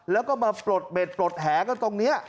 แล้วก็มาปลดเบ็ดปลดแหกันตรงนี้